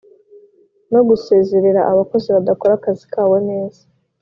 no gusezerera abakozi badakora akazi kabo neza